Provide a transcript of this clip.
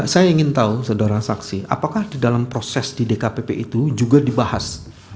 saya ingin tahu saudara saksi apakah di dalam proses di dkpp itu juga dibahas